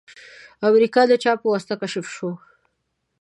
امریکا د چا په واسطه کشف شوه؟